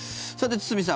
、堤さん